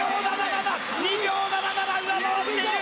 ２秒７７上回っている！